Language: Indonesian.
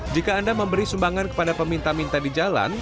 jika anda memberi sumbangan kepada peminta minta di jalan